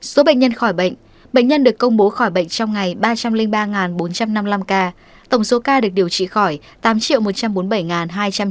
số bệnh nhân khỏi bệnh bệnh nhân được công bố khỏi bệnh trong ngày ba trăm linh ba bốn trăm năm mươi năm ca tổng số ca được điều trị khỏi tám một trăm bốn mươi bảy hai trăm ba mươi